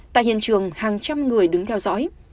tại hiện trường hàng trăm người đứng theo dõi